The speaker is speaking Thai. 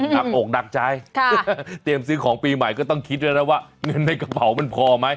หนักอกหนักใจเตรียมซื้อของปีใหม่ก็ต้องคิดด้วยนะว่าเงินในกระเป๋ามันพอไหม